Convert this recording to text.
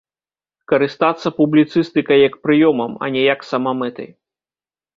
Карыстацца публіцыстыкай як прыёмам, а не як самамэтай.